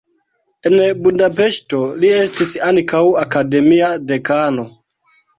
En Budapeŝto li estis ankaŭ akademia dekano.